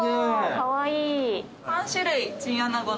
かわいい。